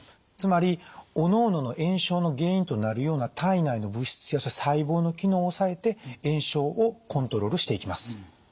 つまりおのおのの炎症の原因となるような体内の物質や細胞の機能を抑えて炎症をコントロールしていきます。